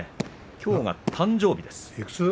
きょうは誕生日です。